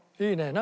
何？